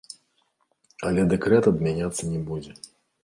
Але дэкрэт адмяняцца не будзе.